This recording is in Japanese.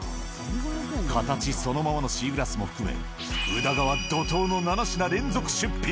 形そのままのシーグラスも含め、宇田川、怒とうの７品連続出品。